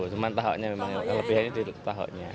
cuma tahunya memang lebih halus